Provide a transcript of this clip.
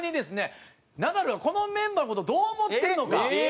ナダルはこのメンバーの事をどう思ってるのか？